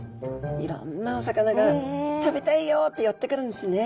いろんなお魚が「食べたいよ」って寄ってくるんですね。